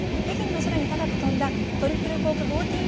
北京の空に高くとんだトリプルコーク１４４０。